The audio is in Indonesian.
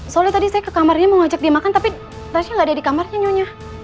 soalnya tadi saya ke kamarnya mau ngajak dia makan tapi tasyik gak ada di kamarnya nyonya